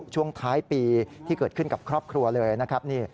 ช่วงท้ายปีที่เกิดขึ้นกับครอบครัวเลยนะครับ